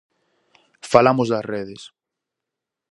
Falamos das redes.